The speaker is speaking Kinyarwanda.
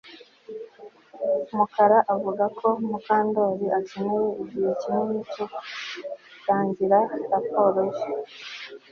Mukara avuga ko Mukandoli akeneye igihe kinini cyo kurangiza raporo ye